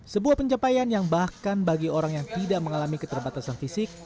sebuah pencapaian yang bahkan bagi orang yang tidak mengalami keterbatasan fisik